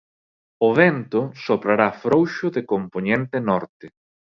O vento soprará frouxo de compoñente norte.